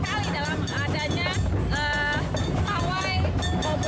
ramadan ini dengan baik